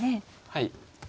はい。